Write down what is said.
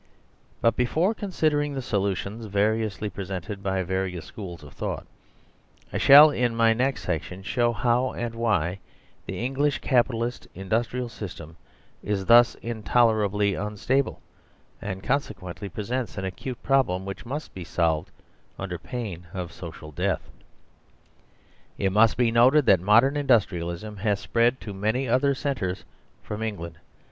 But before considering the solutions variously presented by various schools of thought, I shall in my next section show how and why the English Capi talist Industrial System is thus intolerably unstable and consequently presents an acute problem which must be solved under pain of social death. It must be noted that modern Industrialism has spread to many other centres from England.